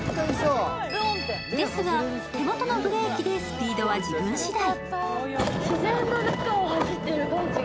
ですが、手元のブレーキでスピードは自分次第。